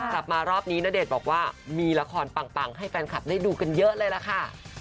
กลับมารอบนี้ณเดชน์บอกว่ามีละครปังให้แฟนคลับได้ดูกันเยอะเลยล่ะค่ะ